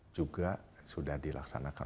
juga sudah dilaksanakan